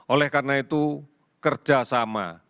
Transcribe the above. oleh karena itu kerjasama